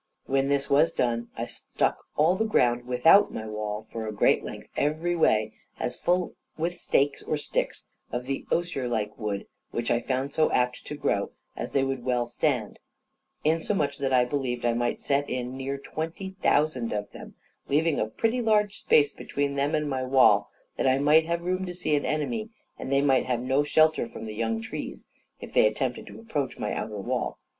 When this was done I stuck all the ground without my wall, for a great length every way, as full with stakes or sticks of the osier like wood, which I found so apt to grow, as they could well stand; insomuch that I believe I might set in near twenty thousand of them, leaving a pretty large space between them and my wall, that I might have room to see an enemy, and they might have no shelter from the young trees, if they attempted to approach my outer wall.